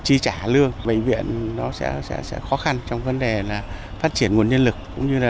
chi trả lương bệnh viện nó sẽ khó khăn trong vấn đề là phát triển nguồn nhân lực cũng như là